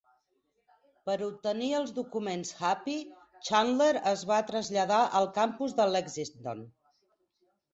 Per obtenir els documents "Happy" Chandler es va traslladar al campus de Lexington.